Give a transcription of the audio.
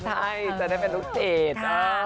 ใช่จะได้เป็นลูกเจด